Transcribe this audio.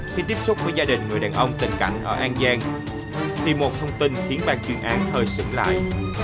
khi tiếp xúc với gia đình người đàn ông tình cảnh ở an giang thì một thông tin khiến ban chuyên án hơi sự lại